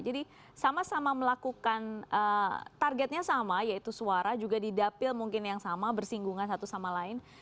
jadi sama sama melakukan targetnya sama yaitu suara juga didapil mungkin yang sama bersinggungan satu sama lain